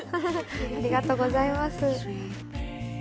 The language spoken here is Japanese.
ありがとうございます。